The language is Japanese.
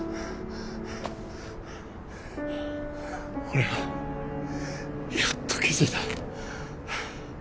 俺はやっと気づいた。